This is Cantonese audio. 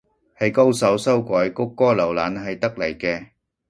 係高手修改谷歌瀏覽器得嚟嘅